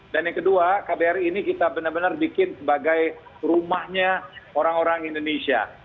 dan yang kedua kbri ini kita benar benar bikin sebagai rumahnya orang orang indonesia